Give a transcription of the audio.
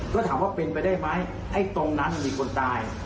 แล้วถามว่าเป็นไปได้ไหมไอ้ตรงนั้นมันมีคนตาย